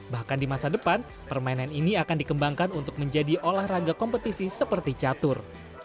bahkan di masa depan permainan ini akan dikembangkan untuk menjadi olahraga kompetisi seperti catur